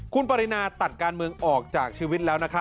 คุณปรินาตัดการเมืองออกจากชีวิตแล้วนะครับ